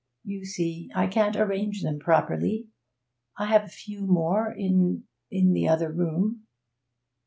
'You see, I can't arrange them properly. I have a few more in in the other room.'